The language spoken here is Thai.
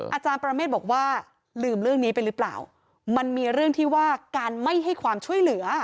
อาจารย์ประเมฆบอกว่าลืมเรื่องนี้ไปหรือเปล่ามันมีเรื่องที่ว่าการไม่ให้ความช่วยเหลือ